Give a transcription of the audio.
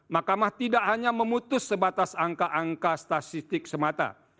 mahkamah tidak hanya memutus sebatas angka angka statistik semata